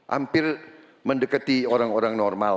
hampir mendekati orang orang normal